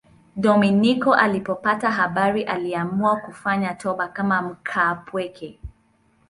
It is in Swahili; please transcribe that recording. Dominiko alipopata habari aliamua kufanya toba kama mkaapweke.